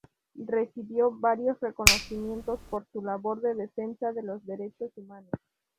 Recibió varios reconocimientos por su labor de defensa de los Derechos Humanos.